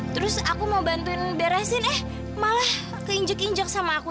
terus aku mau bantuin beresin eh malah keinjak injak sama aku